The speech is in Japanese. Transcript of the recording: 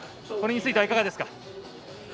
これについてはいかがですか。